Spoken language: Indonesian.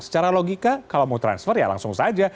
secara logika kalau mau transfer ya langsung saja